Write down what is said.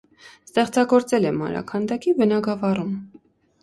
Ստեղծագործել է մանրաքանդակի բնագավառում։